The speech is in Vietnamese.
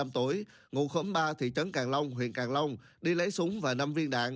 bốn mươi năm tuổi ngụ khóm ba thị trấn càng long huyện càng long đi lấy súng và năm viên đạn